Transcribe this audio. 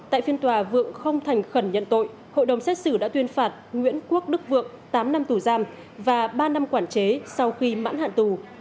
tại phiên tòa vượng không thành khẩn nhận tội hội đồng xét xử đã tuyên phạt nguyễn quốc đức vượng tám năm tù giam và ba năm quản chế sau khi mãn hạn tù